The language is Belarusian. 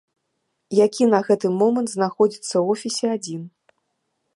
Які на гэты момант знаходзіцца ў офісе адзін.